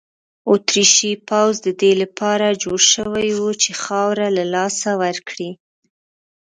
اتریشي پوځ د دې لپاره جوړ شوی وو چې خاوره له لاسه ورکړي.